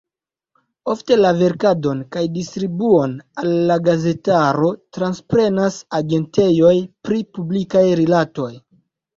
Ofte la verkadon kaj distribuon al la gazetaro transprenas agentejoj pri publikaj rilatoj.